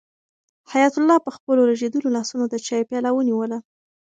حیات الله په خپلو ریږېدلو لاسونو د چایو پیاله ونیوله.